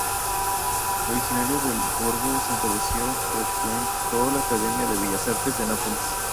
Originario del Borgo Santa Lucia, frecuentó la Academia de Bellas Artes de Nápoles.